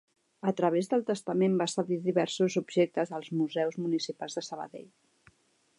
A través del testament va cedir diversos objectes als museus municipals de Sabadell.